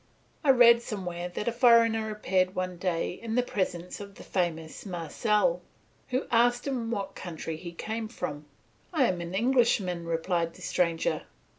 I read somewhere that a foreigner appeared one day in the presence of the famous Marcel, who asked him what country he came from. "I am an Englishman," replied the stranger.